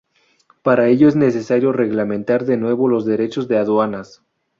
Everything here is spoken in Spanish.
Para ello es necesario reglamentar de nuevo los derechos de aduanas.